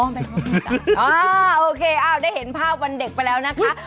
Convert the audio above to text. อ๋อแม่เค้าภูมิใจอ่าโอเคได้เห็นภาพวันเด็กไปแล้วนะคะ